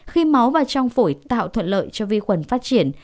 khi máu và trong phổi tạo thuận lợi cho vi khuẩn phát triển